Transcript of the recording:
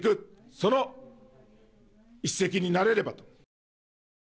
その一石になれればと。